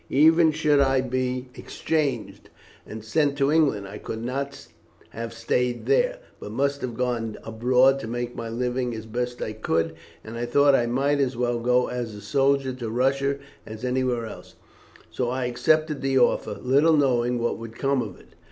Even should I be exchanged and sent to England I could not have stayed there, but must have gone abroad to make my living as best I could, and I thought I might as well go as a soldier to Russia as anywhere else; so I accepted the offer, little knowing what would come of it.